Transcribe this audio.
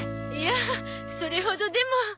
いやあそれほどでも。